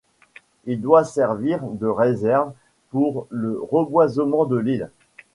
Il doit servir de réserve pour le reboisement de l'île.